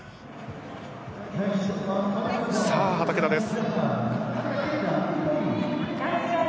さあ、畠田です。